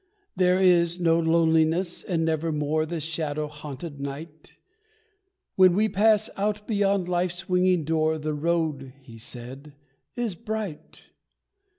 "There is no loneliness, and nevermore The shadow haunted night, When we pass out beyond Life's swinging door The road," he said, "is bright."